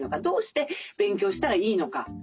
どうして勉強したらいいのか。